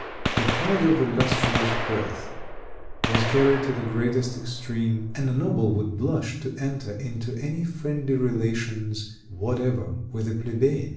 ] The pride of illustrious birth was carried to the greatest extreme, and a noble would blush to enter into any friendly relations whatever with a plebeian.